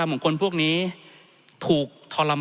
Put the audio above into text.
ท่านประธานครับนี่คือสิ่งที่สุดท้ายของท่านครับ